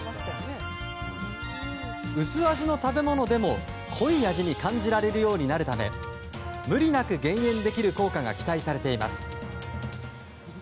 薄味の食べ物でも濃い味に感じられるようになるため無理なく減塩できる効果が期待されています。